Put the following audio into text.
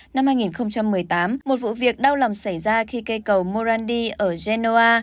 năm hai nghìn một mươi tám một vụ việc đau lòng xảy ra khi cây cầu morandi ở genoa